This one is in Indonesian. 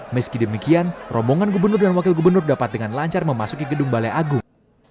meski demikian rombongan gubernur dan wakil gubernur dapat dengan lancar memasuki gedung balai agung